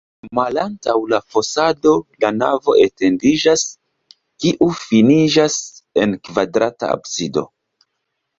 Malantaŭ la fasado la navo etendiĝas, kiu finiĝas en kvadrata absido.